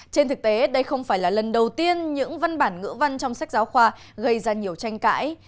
trên thực tế đây không phải là lần đầu tiên những văn bản ngữ văn trong sách giáo khoa gây ra nhiều tranh cãi